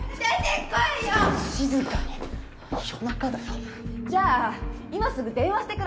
ちょっ静かに夜中だよじゃあ今すぐ電話してくださる？